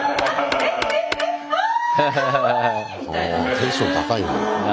テンション高いな。